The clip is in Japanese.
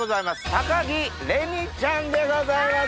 高城れにちゃんでございます！